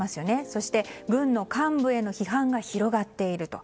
そして軍の幹部への批判が広がっていると。